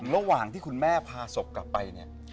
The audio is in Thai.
ระหว่างที่คุณแม่พาศพกลับไปเนี่ย